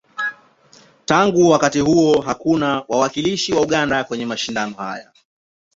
Tangu wakati huo, hakuna wawakilishi wa Uganda kwenye mashindano haya.